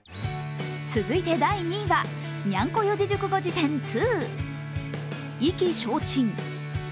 続いて第２位は「にゃんこ四字熟語辞典２」。